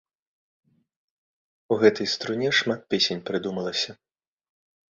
У гэтай струне шмат песень прыдумалася.